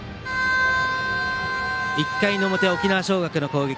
１回の表、沖縄尚学の攻撃。